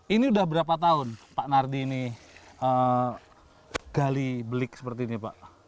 ini udah berapa tahun pak nardi ini gali belik seperti ini pak